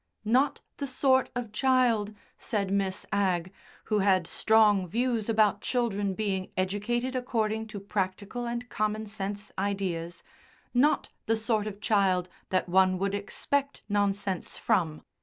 "Not the sort of child," said Miss Agg, who had strong views about children being educated according to practical and common sense ideas, "not the sort of child that one would expect nonsense from."